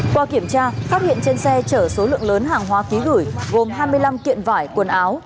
qua kiểm tra phát hiện trên xe chở số lượng lớn hàng hóa ký gửi gồm hai mươi năm kiện vải quần áo